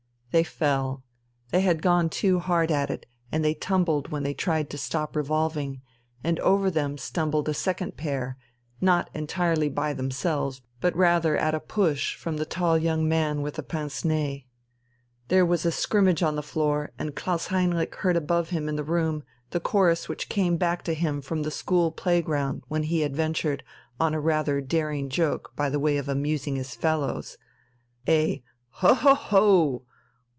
They fell; they had gone too hard at it and tumbled when they tried to stop revolving, and over them stumbled a second pair, not entirely by themselves, but rather at a push from the tall young man with pince nez. There was a scrimmage on the floor, and Klaus Heinrich heard above him in the room the chorus which came back to him from the school playground when he had ventured on a rather daring joke by way of amusing his fellows a "Ho, ho, ho!"